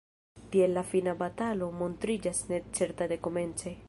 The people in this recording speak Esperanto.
Tiel la fina batalo montriĝas necerta dekomence,